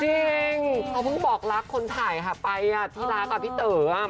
จริงเขาเพิ่งบอกรักคนถ่ายค่ะไปที่รักอ่ะพี่เต๋อ